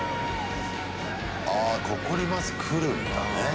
あ、ここにバス来るんだね。